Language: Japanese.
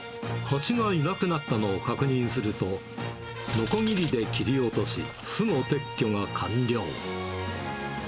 ハチがいなくなったのを確認すると、のこぎりで切り落とし、巣の撤去が完了。